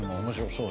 そう？